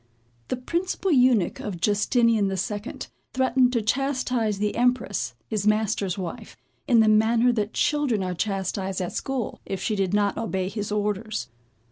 The principal eunuch of Justinian the Second, threatened to chastise the Empress, his master's wife, in the manner that children are chastised at school, if she did not obey his orders.